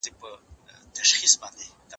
زه هره ورځ موبایل کاروم،